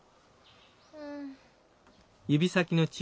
うん。